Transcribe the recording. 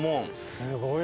すごいな！